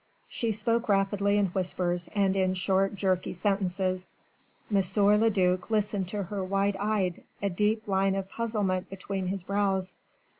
She spoke rapidly in whispers and in short jerky sentences. M. le duc listened to her wide eyed, a deep line of puzzlement between his brows.